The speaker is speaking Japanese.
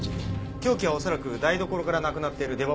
凶器は恐らく台所からなくなっている出刃包丁。